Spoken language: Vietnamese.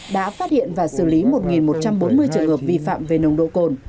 đã phát hiện và xử lý một một trăm bốn mươi trường hợp vi phạm về nồng độ cồn